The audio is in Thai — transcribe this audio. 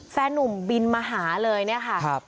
แฟนนุ่มบินมาหาเลยเนี่ยค่ะ